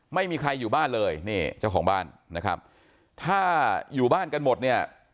ไม่มีใครอยู่บ้านเลยนี่เจ้าของบ้านนะครับถ้าอยู่บ้านกันหมดเนี่ย